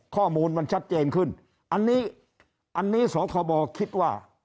ข้อมูลมันชัดเจนขึ้นอันนี้อันนี้สคบคิดว่า